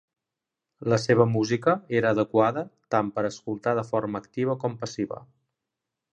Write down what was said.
La seva música era adequada tant per escoltar de forma activa com passiva.